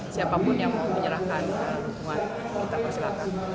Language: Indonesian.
siapapun yang mau menyerahkan hubungan silakan